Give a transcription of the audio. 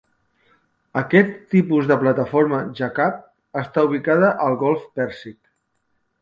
Aquest tipus de plataforma "jackup" està ubicada al golf Pèrsic.